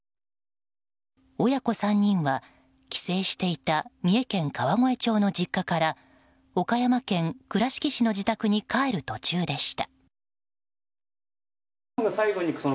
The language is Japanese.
親子３人は帰省していた三重県川越町の実家から岡山県倉敷市の自宅に帰る途中でした。